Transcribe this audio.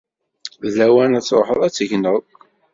D lawan ad truḥeḍ ad tegneḍ.